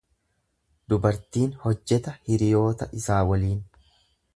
Dubartiin hojjeta hiriyoota isaa waliin.